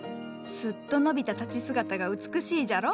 すっと伸びた立ち姿が美しいじゃろ。